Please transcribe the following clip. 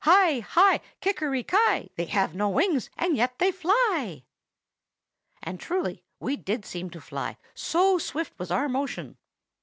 Hi! hi! kikeriki! They have no wings, and yet they fly.' And truly we did seem to fly, so swift was our motion.